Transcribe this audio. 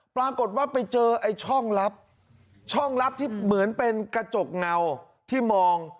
ปรากฏว่าไปเจอไอ้ช่องลับช่องลับที่เหมือนเป็นกระจกเงาที่มอง